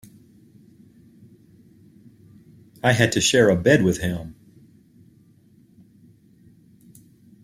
I had to share a bed with him.